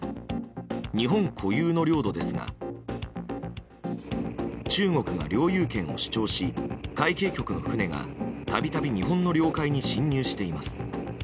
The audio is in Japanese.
日本固有の領土ですが中国が領有権を主張し海警局の船が、度々日本の領海に侵入しています。